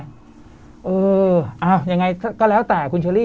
เอ้ยยังไงก็แล้วแต่ว่าคุณเชลี่